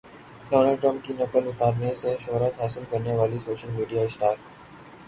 Donald Trump کی نقل اتارنے سے شہرت حاصل کرنے والی سوشل میڈیا اسٹار